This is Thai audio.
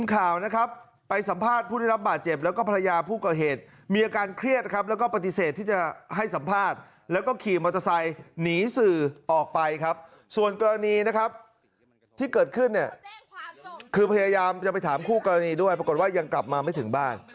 ส่วนกรณีนะครับที่เกิดขึ้นเนี่ยคือพยายามจะไปถามคู่กรณีด้วยปรากฏว่ายังกลับมาไม่ถึงบ้าน